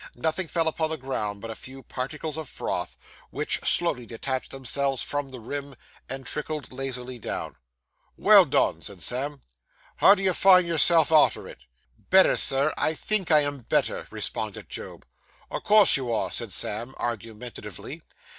Nothing fell upon the ground but a few particles of froth, which slowly detached themselves from the rim, and trickled lazily down. 'Well done!' said Sam. 'How do you find yourself arter it?' 'Better, Sir. I think I am better,' responded Job. 'O' course you air,' said Sam argumentatively.